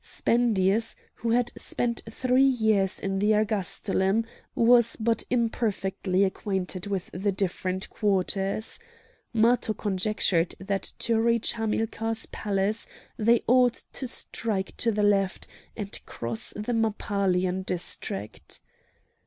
Spendius, who had spent three years in the ergastulum, was but imperfectly acquainted with the different quarters. Matho conjectured that to reach Hamilcar's palace they ought to strike to the left and cross the Mappalian district.